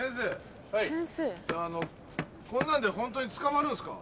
こんなんでホントに捕まるんすか？